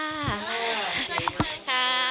สวัสดีค่ะ